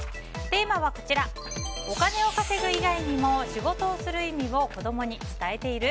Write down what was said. テーマは、お金を稼ぐ以外にも仕事をする意味を子供に伝えている？